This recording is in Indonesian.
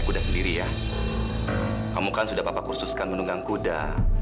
kamu kan sudah papa kursus kan menunggang kuda